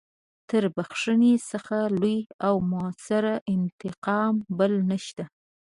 تر بخښنې څخه لوی او مؤثر انتقام بل نشته.